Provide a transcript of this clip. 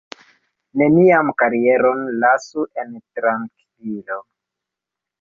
Mian karieron lasu en trankvilo.